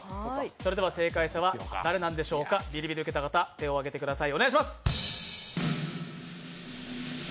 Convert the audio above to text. それでは正解者は誰なんでしょうかビリビリ受けた方、手を挙げてください。